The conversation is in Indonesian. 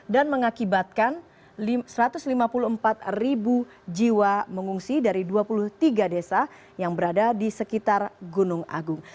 mengakibatkan satu ratus lima puluh empat ribu jiwa mengungsi dari dua puluh tiga desa yang berada di sekitar gunung agung